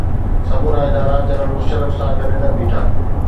سمورا ادارا جنرل مشرف سان گڏ نه بيٺا.